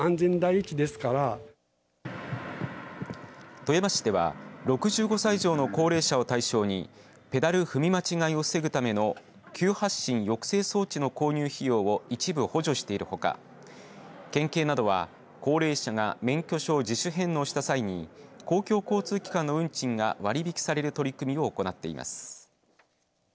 富山市では６５歳以上の高齢者を対象にペダル踏み間違いを防ぐための急発進抑制装置の購入費用を一部補助しているほか県警などは高齢者が免許証を自主返納した際に公共交通機関の運賃が割引される取り組みを行っています。